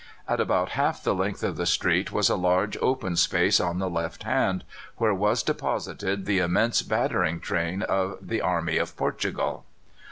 At about half the length of the street was a large open space on the left hand, where was deposited the immense battering train of "the army of Portugal."